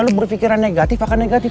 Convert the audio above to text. kalau berpikiran negatif akan negatif